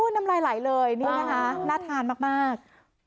น้ำลายไหลเลยนี่นะคะน่าทานมาก